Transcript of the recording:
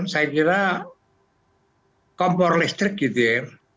saya kira kompor listrik gitu ya